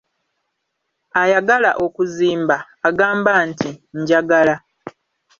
Ayagala okuzimba, agamba nti: "Njagala"